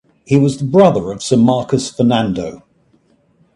He was the brother of Sir Marcus Fernando.